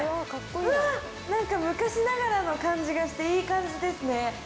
昔ながらの感じがしていい感じですね。